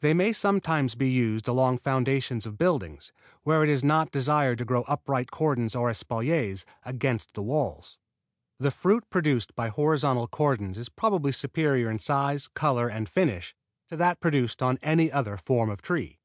They may sometimes be used along foundations of buildings, where it is not desired to grow upright cordons or espaliers against the walls. The fruit produced by horizontal cordons is probably superior in size, color and finish to that produced on any other form of tree.